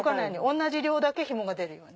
同じ量だけひもが出るように。